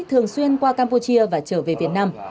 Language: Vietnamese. thường xuyên qua campuchia và trở về việt nam